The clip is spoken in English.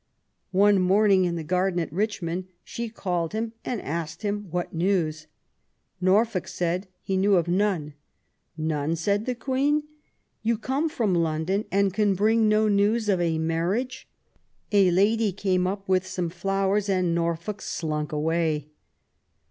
One morning, in the garden at Rich mond, she called him and asked him what news. Norfolk said he knew of none. None ?" said the Queen. " You come from London and can bring no news of a marriage ?" A lady came up with some flowers, and Norfolk slunk away.